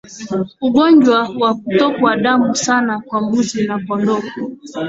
Ugonjwa wa kutokwa damu sana kwa mbuzi na kondoo